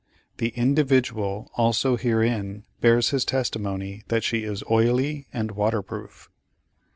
The "Individual" also herein bears his testimony that she is oily and water proof.